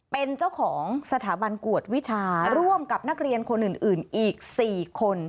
เป็นเจ้าของสถาบันกวดวิชาร่วมกับนักเรียนคนอื่นอีก๔คน